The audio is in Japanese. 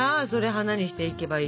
花にしていけばいい。